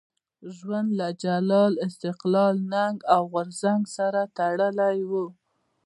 ژوند له جلال، استقلال، ننګ او غورځنګ سره تړلی وو.